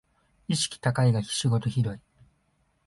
意識高いが仕事ひどい